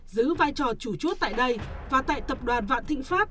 giữ vai trò chủ chốt tại đây và tại tập đoàn vạn thịnh pháp